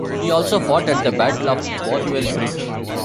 He also fought at the Battle of Bothwell Bridge.